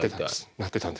なってたんです。